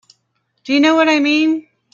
Do you know what I mean?